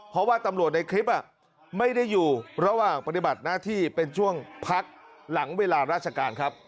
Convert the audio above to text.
เพราะว่าตำรวจในคลิปไม่ได้อยู่ระหว่างปฏิบัติหน้าที่เป็นช่วงพักหลังเวลาราชการครับ